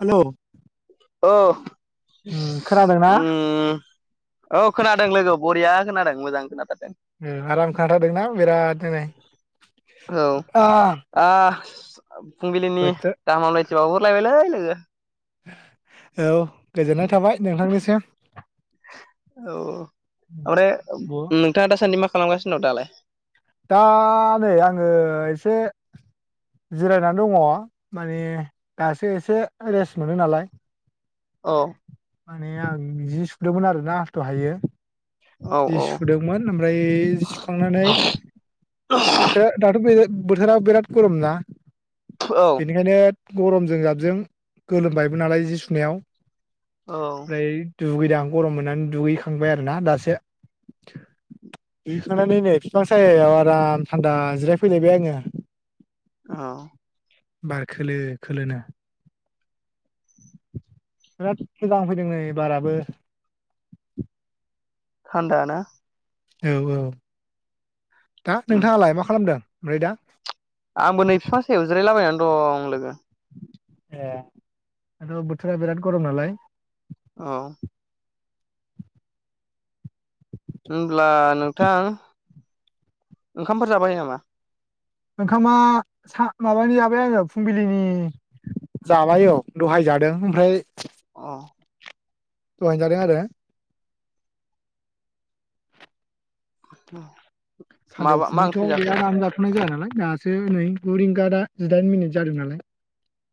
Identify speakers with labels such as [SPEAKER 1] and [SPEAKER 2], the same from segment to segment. [SPEAKER 1] हेल'
[SPEAKER 2] ओउम
[SPEAKER 1] खोनादोंना
[SPEAKER 2] औ खोनादों लोगो बरिया खोनादों मोजां खोनादों
[SPEAKER 1] आराम खोनादोंना बिरादनो
[SPEAKER 2] औ आ फुंबिलिनि
[SPEAKER 1] बोथोर
[SPEAKER 2] गाहामलायथि बावहरलायबायलै लोगो
[SPEAKER 1] औ गोजोननाय थाबाय नोंथांनिसिम
[SPEAKER 2] औ ओमफ्राय नोंथाङा दासान्दि मा खालामगासिनो दं दालाय
[SPEAKER 1] दा नै आङो एसे जिरायनानै दङ माने दासो एसे रेस्ट मोनो नालाय
[SPEAKER 2] औ
[SPEAKER 1] माने आं जि सुदोंमोन आरोना दहायो
[SPEAKER 2] औ
[SPEAKER 1] जि
[SPEAKER 2] औ
[SPEAKER 1] सुदोंमोन ओमफ्राय जि सुखांनानै [unintelligible] दाथ' बे बोथोरा बिराद गरमना
[SPEAKER 2] औ
[SPEAKER 1] बेनिखायनो गरमजों जाबजों गोलोमबायबो नालाय जि सुनायाव
[SPEAKER 2] औ
[SPEAKER 1] ओमफ्राय दुगैदां गरम मोननानै दुगैखांबाय आरोना दासो दुगैखांनानै नै बिफां सायाव आराम थान्दा जिराय फैलायबाय आङो
[SPEAKER 2] औ
[SPEAKER 1] बार खोलो खोलो नो बिराद मोजां फैदों नै बाराबो
[SPEAKER 2] थान्दा ना
[SPEAKER 1] औ औ दा नोंथाङालाय मा खालामदों ओमफ्राय दा
[SPEAKER 2] आंबो नै बिफा सायाव जिरायलाबायनानै दं लोगो
[SPEAKER 1] ए औ बोथोरा बिराद गरम नालाय
[SPEAKER 2] औ होब्ला नोंथां ओंखामफोर जाबाय नामा?
[SPEAKER 1] ओंखामा सा-माबानि जाबाय आङो फुंबिलिनि जाबाय औ दहाय जादों ओमफ्राय
[SPEAKER 2] अ
[SPEAKER 1] दहाय जादों आरो
[SPEAKER 2] उम
[SPEAKER 1] सानजौफुनिथ' बेया दानजाथ'नाय जाया नालाय दासो नै गु रिंगा दा जिदाइन मिनिट जादों नालाय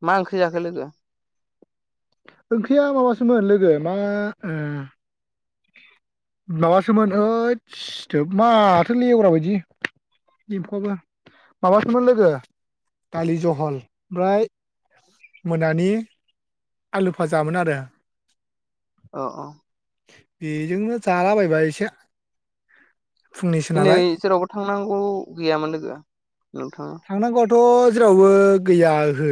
[SPEAKER 2] मा ओंख्रि जाखो लोगो
[SPEAKER 1] ओंख्रिया माबासोमोन लोगो मा ओ माबासोमोन ओयद [unintelligible] एम्फौआबो माबासोमोन लोगो दालि जहल मफ्राय मोनानि आलु फाजामोन आरो
[SPEAKER 2] अ अ
[SPEAKER 1] बेजोंनो जालाबायबाय एसे फुंनिसो
[SPEAKER 2] दिनै
[SPEAKER 1] नालाय
[SPEAKER 2] जेरावबो थांनांगौ गैयामोन लोगो नोंथाङा
[SPEAKER 1] थांनांगौआथ' जेरावबो गैया ओहो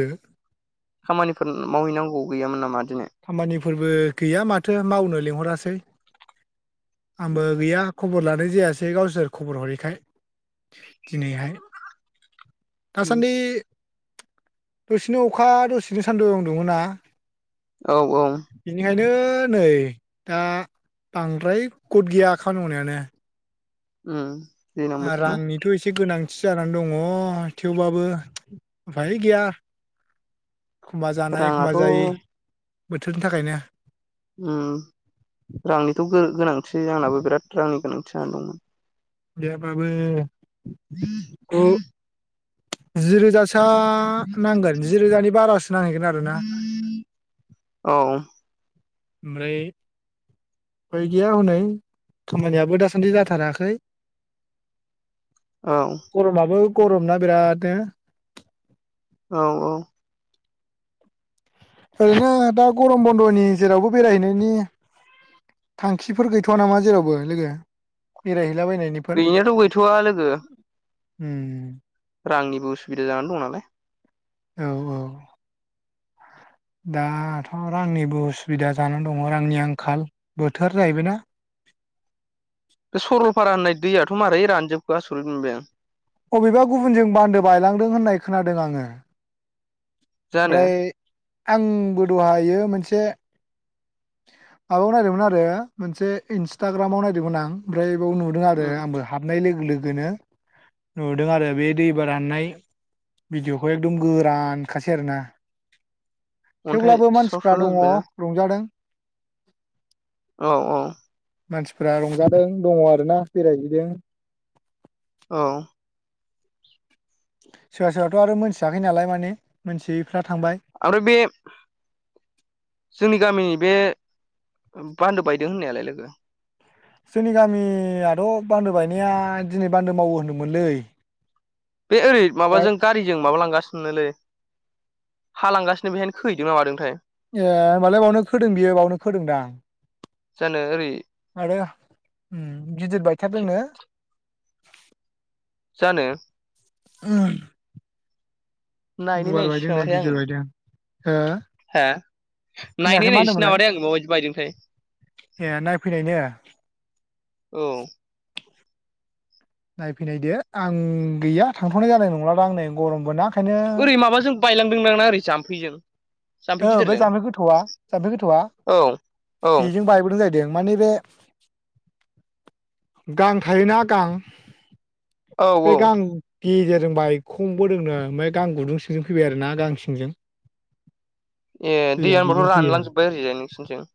[SPEAKER 2] खामानिफोर मावहैनांगौ गैयामोन नामा दिनै
[SPEAKER 1] खामानिफोरबो गैया माथो मावनो लिंहरासै आंबो
[SPEAKER 2] उम
[SPEAKER 1] गैया खबर लान मानो जायासै गावसोर खबर हरैखाय दिनैहाय
[SPEAKER 2] उम
[SPEAKER 1] दासान्दि दसेनो अखा दसेनो सान्दुं दुङोना
[SPEAKER 2] औ औ
[SPEAKER 1] बेनो नै दा बांद्राय गद गैया खामानि मावनायानो
[SPEAKER 2] उम दैज्लां बोथोर ना
[SPEAKER 1] रांनिथ' एसे गोनां खाथि जानानै दङ थेवबाबो उफाय गैया एखमबा जानाय
[SPEAKER 2] राङाथ'
[SPEAKER 1] एखमबा जायि
[SPEAKER 2] उम
[SPEAKER 1] बोथोरनि थाखायनो
[SPEAKER 2] उम रांनिथ' गो-गोनांथि आंनाबो बिराद रांनि गोनांथि जानादोंमोन
[SPEAKER 1] गैयाबाबो
[SPEAKER 2] [unintelligible]
[SPEAKER 1] जिरोजास आ नांगोन जिरोजानि बारासो नांहैगोन आरोना
[SPEAKER 2] औ।
[SPEAKER 1] आमफ्राय अफाय गैया हनै खामानियाबो दासान्दि जाथाराखै।
[SPEAKER 2] औ
[SPEAKER 1] गरमाबो गरमना बिरादनो।
[SPEAKER 2] औ औ।
[SPEAKER 1] ओरैनो दा गरम बन्द'नि जेरावबो बेरायहैनायनि थांखिफोर गैथ'वा नामा जेरावबो लोगो बेराय
[SPEAKER 2] गैनायाथ' गैथ'वआ लोगो।
[SPEAKER 1] उम
[SPEAKER 2] रांनिबो उसुबिदा जानानै दं नालाय।
[SPEAKER 1] औ औ। दाथ' रांनिबो उसुबिदा जानानै दङ रांनि आंखाल बोथोर जाहैबायना।
[SPEAKER 2] बे सरलपारा होननाय दैयाथ' मारै रानजोबखो आसरिथ मोनबाय आं।
[SPEAKER 1] अबेबा गुबुनजों बान्दो बायलांदों होननाय खोनादों आङो।
[SPEAKER 2] जानो
[SPEAKER 1] ओमफ्राय आंबो दहायो मोनसे माबायाव नायदोंमोन आरो मोनसे इन्स्टाग्रामाव नायदोंमोन आं ओमफ्राय बाव नुदों आरो
[SPEAKER 2] उम
[SPEAKER 1] आंबो हाबनाय लोगो लोगोनो नुदों आरो बे दै बा राननाय भिडिअखौ एकदम गोरानखासै आरोना।
[SPEAKER 2] अन्थाइ
[SPEAKER 1] थेवब्लाबो
[SPEAKER 2] स्र'
[SPEAKER 1] मानसिफ्रा
[SPEAKER 2] स्र'
[SPEAKER 1] दङ
[SPEAKER 2] जाजोब्बायना
[SPEAKER 1] रंजादों।
[SPEAKER 2] औ औ।
[SPEAKER 1] मानसिफ्रा रंजादों दङ आरोना बेरायहैदों।
[SPEAKER 2] औ।
[SPEAKER 1] सोरबा सोरबथ' आरो मोनथियाखै नालाय माने मोनथियै
[SPEAKER 2] आमफ्राय बे जोंनि गामिनि बे बान्दो बायदों होननायालाय लोगो?
[SPEAKER 1] जोंनि गामियाथ' बान्दो बायनाया दिनै बान्दो मावो होनदोंमोनलै।
[SPEAKER 2] बे ओय
[SPEAKER 1] ओमफ्राय
[SPEAKER 2] माबाजों गारिजों माबालांगासिनोलै। हा लांगासिनो बेहायनो खैहोदोंना मादोंथाय।
[SPEAKER 1] ए होमबालाय बेयावनो खोदों बियो बावनो खोदोंदां
[SPEAKER 2] जानो ओरै
[SPEAKER 1] आरो। उम गिदिर बायथारदोंनो।
[SPEAKER 2] जानो।
[SPEAKER 1] [unintelligible] गुवार बायदोंनो गिदिर बायदों। ओ
[SPEAKER 2] हो
[SPEAKER 1] खोनायाखै
[SPEAKER 2] नायनाय
[SPEAKER 1] मा
[SPEAKER 2] नायसै
[SPEAKER 1] होनदोंमोनलाय
[SPEAKER 2] नामाथाय आं माबायदि बायदोंथाय।
[SPEAKER 1] ए नायफैनायनो।
[SPEAKER 2] औ।
[SPEAKER 1] नायफैनायदो आं गैया थांथ'नाय जानाय नंला दां नै गरमबोना।
[SPEAKER 2] ओरै माबाजों बायलांदोंदांना ओरै जाम्फैजों? जाम्फै
[SPEAKER 1] औ बे
[SPEAKER 2] गिदिरजों
[SPEAKER 1] जाम्फै गोथौआ जाम्फै गोथौआ
[SPEAKER 2] औ औ
[SPEAKER 1] बेजों बायबोदों जाहै दों माने बे गां थायोना गां।
[SPEAKER 2] औ
[SPEAKER 1] बे
[SPEAKER 2] औ
[SPEAKER 1] गां गेजेर जों बायखंबोदोंनो ओमफ्राय गां गुदुं सिंजों फैबाय आरोना गां सिंजों।
[SPEAKER 2] ए
[SPEAKER 1] दैया
[SPEAKER 2] दैयाहोनबाथ'
[SPEAKER 1] बेजों फैयो
[SPEAKER 2] रानलां जोब्बाय आरैजाय नोंसोरनिथिं।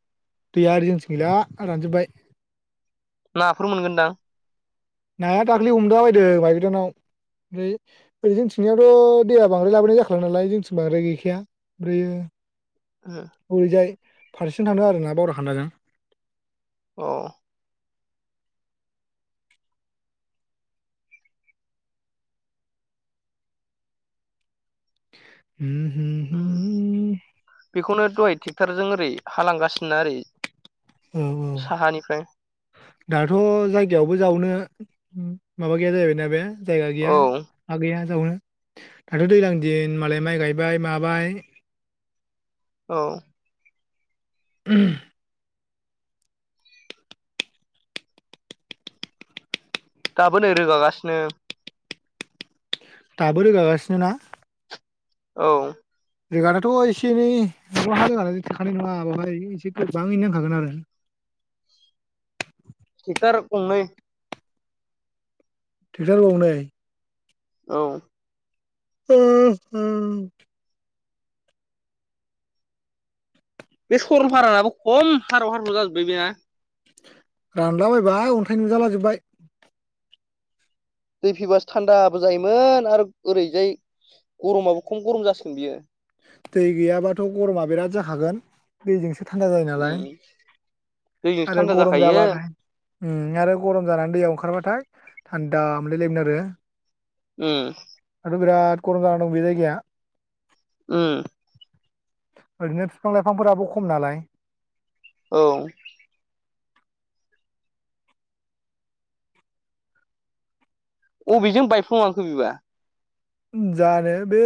[SPEAKER 1] दैया ओरै जोंथि गैला रानजोबबाय।
[SPEAKER 2] नाफोर मोनगोनदां?
[SPEAKER 1] नाया दाख्लै हमला बायदों बाइगोदानाव। ओमफ्राय ओरै जोंथिंनियाथ' दैया बांद्राय लाबोनाय जाखाला नालाय जोंथिं बांद्राय गैखाया ओमफ्रायो। हरैजाय फारसेथिं थांदों आरोना बावरा खान्दाजों?
[SPEAKER 2] औ। बेखौनो दहाय ट्रेक्ट'रजों ओरै हा लांगासिनोना ओरै
[SPEAKER 1] औ औ
[SPEAKER 2] साहानिफ्राय
[SPEAKER 1] दाथ' जायगायावबो जानो माबा गैया जाहैबायना बे जायगा गैया
[SPEAKER 2] औ
[SPEAKER 1] हा गैया जावनो दाथ' दैज्लां दिन मालाय माइ गायबाय माबाय
[SPEAKER 2] औ।
[SPEAKER 1] [inaudible]
[SPEAKER 2] दाबो नै रोगागासिनो।
[SPEAKER 1] दाबो रोगागासिनो ना।
[SPEAKER 2] औ।
[SPEAKER 1] रोगानाथ' एसे एनै रोगानानै थोखानाय नङा बैवहाय एसे गोबाङैनो नांखागोन आरो।
[SPEAKER 2] [inaudible] ट्रेक्टार गंनै
[SPEAKER 1] ट्रेक्टर गंनै
[SPEAKER 2] औ।
[SPEAKER 1] [inaudible]
[SPEAKER 2] बे सरलफारानाबो खम हाराव हाराव जाजोबबाय बे ना।
[SPEAKER 1] रानलाबायबाय अन्थाइ नुजाला जोबबाय।
[SPEAKER 2] दै फैबासो थान्दाबो जायोमोन आरो ओरैजाय। गरमाबो खम गरम जासिगोन बियो।
[SPEAKER 1] दै गैयाबाथ' गरमा बिराद जाखागोन दैजोंसो थान्दा जायो नालाय।
[SPEAKER 2] उम दैजोंसो
[SPEAKER 1] आरो
[SPEAKER 2] थान्दा
[SPEAKER 1] गरम
[SPEAKER 2] जाखायो
[SPEAKER 1] जाबाथाय आरो गरम जानानै दैयाव ओंखारबाथाय। थान्दा मोनलायलायमोन आरो।
[SPEAKER 2] [inaudible]
[SPEAKER 1] बिराद गरम जाना दं बे जायगाया
[SPEAKER 2] उम।
[SPEAKER 1] ओरैनो बिफां लाइफांफोराबो खम नालाय।
[SPEAKER 2] औ। अबेजों बायफ्लंलांखो बिबा
[SPEAKER 1] जानो बे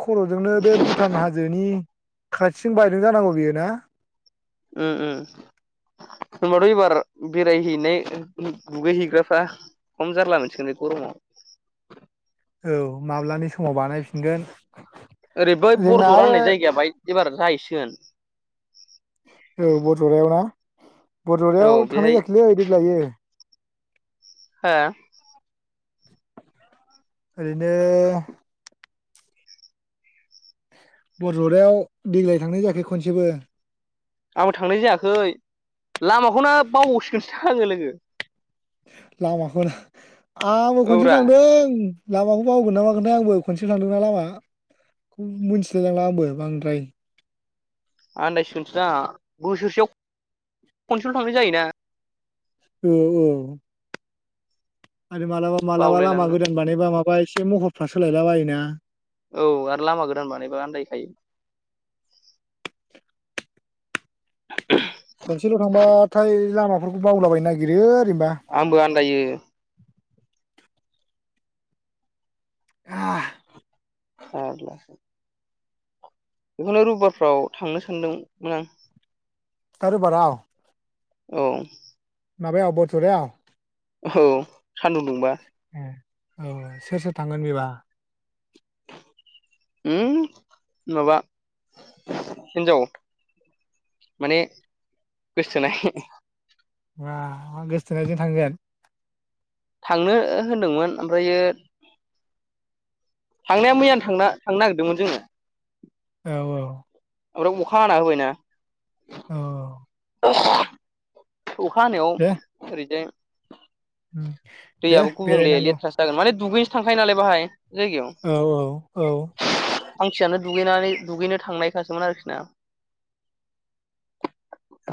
[SPEAKER 1] खर'जोंनो बे भुटान हाजोनि खाथिं बायदों जानांगौ बेयो ना
[SPEAKER 2] उ ओ होनबाथ' एबार बेरायहैनाय दुगैहैग्राफ्रा खम जारला मोनसिगोनले गरम औ
[SPEAKER 1] औ माब्लानि समाव बानायफिनगोन
[SPEAKER 2] ओरै बै
[SPEAKER 1] जोंना
[SPEAKER 2] बरजरा
[SPEAKER 1] आरो
[SPEAKER 2] होननाय जायगाया बाहाय एबार जाहैसिगोन
[SPEAKER 1] औ बड'लायाव ना बर'रायाव
[SPEAKER 2] औ
[SPEAKER 1] थांनाय
[SPEAKER 2] बेहाय
[SPEAKER 1] जाखैलै देग लायो
[SPEAKER 2] हा
[SPEAKER 1] ओरैनो बरजदायाव देग्लाय थांनाय जायाखै खनसेबो
[SPEAKER 2] आंबो थांनाय जायाखै लामाखौ नो बावबावसिगोनसो आङो लोगो
[SPEAKER 1] लामाखौनो आंबो खनसे
[SPEAKER 2] औब्रा
[SPEAKER 1] थांदों लामाखौ बावगोन ना मागोनथायाय आंबो खनसे थांदोंना लामा मिथिलायलांला आंबो बांद्राय
[SPEAKER 2] आन्दायसिगोन सो दा बोसोरसेयाव खनसेल' थांनाय जायोना
[SPEAKER 1] औ औ आरो मालाबा मालाबा लामा
[SPEAKER 2] बावलायलाङो
[SPEAKER 1] गोदान बानायबा माबा एसे महरफ्रा सोलायला बायोना
[SPEAKER 2] औ आरो लामा गोदान बानायबा आन्दायखायो [unintelligible]
[SPEAKER 1] खनसेल' थांबाथाय लामाफोरखौ बावलाबायनो नागिरो ओरैनोबा
[SPEAKER 2] आंबो आन्दायो
[SPEAKER 1] [unintelligible]
[SPEAKER 2] अह अह बेखौनो रबिबारफ्राव थांनो सानदोंमोन आं
[SPEAKER 1] दा रबिबाराव
[SPEAKER 2] औ।
[SPEAKER 1] माबायाव बरथ'रायाव
[SPEAKER 2] औ सान्दुं दुंबा
[SPEAKER 1] ए औ सोर सोर थांगोन बेबा
[SPEAKER 2] उम माबा हिनजाव माने गोसथोनाय
[SPEAKER 1] मा गोसथोनायजों थांगोन
[SPEAKER 2] थांनो होनदोंमोन ओमफ्रायो थांनाया मैयानो थांना थांनो नागिरदोंमोन जोङो
[SPEAKER 1] औ औ।
[SPEAKER 2] ओमफ्राय अखा हाना होबायना
[SPEAKER 1] औ।
[SPEAKER 2] अखा हानायाव
[SPEAKER 1] दे
[SPEAKER 2] ओरैजाय
[SPEAKER 1] उम दे
[SPEAKER 2] दैयाबो गुबुंले
[SPEAKER 1] बेरायनांगौ
[SPEAKER 2] लेथ्राासो जागोन माने दुगैनोसो थांखायो नालाय बाहाय जायगायाव
[SPEAKER 1] औ औ औ।
[SPEAKER 2] फांसियानो दुगैनानै दुगैनो थांनायखासोमोन आरोखि ना।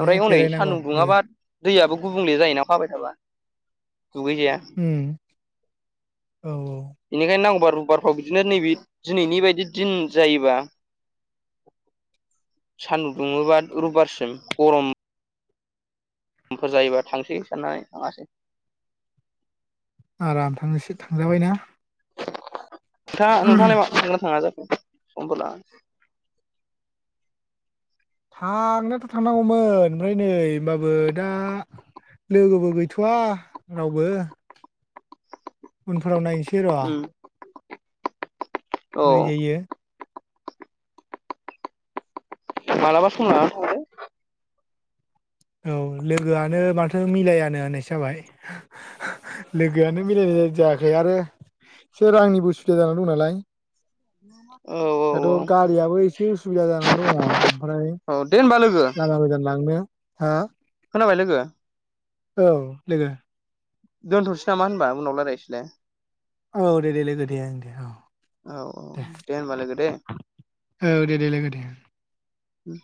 [SPEAKER 1] दे
[SPEAKER 2] हनै
[SPEAKER 1] बेरायनांगौ
[SPEAKER 2] सान्दुं
[SPEAKER 1] लोगो
[SPEAKER 2] दुङाबा दैयाबो गुबुंले जायोना हाबाय थाबा दुगैजाया।
[SPEAKER 1] उम औ औ।
[SPEAKER 2] रुबिबाराव बिदिनो नैबे दिनैनि बायदि दिन जायोबा सान्दुं दुङोबा रबिबारसिम गरम समफोर जायोबा थांसै साननानै थाङासै
[SPEAKER 1] आराम थांनोसै थांजाबायना
[SPEAKER 2] नोंथाङा नोंथाङालाय मा थांगोनना थाङा जाखो? अबोला
[SPEAKER 1] थांनायाथ' थांनांगौमोन ओमफ्राय नै होनबाबो दा लोगोबो गैथ'वा रावबो उनफोराव नायनो
[SPEAKER 2] उम औ
[SPEAKER 1] बोरै जायो
[SPEAKER 2] मालाबा सम लाना थांदो
[SPEAKER 1] औ लोगोआनो माथो मिलायानो होननायसो जाबाय लोगोआनो मिलायनाय जायाखै आरो एसे रांनिबो उसुबिदा जानानै दं नालाय।
[SPEAKER 2] औ औ
[SPEAKER 1] दाथ' गारियाबो एसे उसुबिदा जानानै दङ ओमफ्राय
[SPEAKER 2] औ औ दे होनबा लोगो
[SPEAKER 1] लामा गोजान लांनो हा
[SPEAKER 2] खोनाबाय लोगो
[SPEAKER 1] औ लोगो
[SPEAKER 2] दोनथ'नोसै नामा होनबा उनाव रायलायसैलाय
[SPEAKER 1] औ दे दे लोगो दे दे औ
[SPEAKER 2] औ औ
[SPEAKER 1] दे।
[SPEAKER 2] होनबा लोगो दे
[SPEAKER 1] औ दे दे लोगो दे
[SPEAKER 2] उम